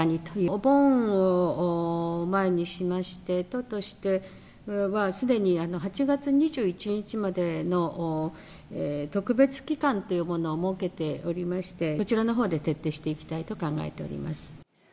お盆を前にしまして、都としてはすでに８月２１日までの特別期間というものを設けておりまして、こちらのほうで徹底していきたいと考えております。